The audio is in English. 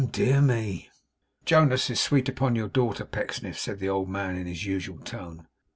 Ahem! Dear me!' 'Jonas is sweet upon your daughter, Pecksniff,' said the old man, in his usual tone.